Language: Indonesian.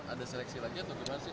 ada seleksi lagi atau gimana sih